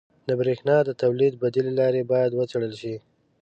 • د برېښنا د تولید بدیلې لارې باید وڅېړل شي.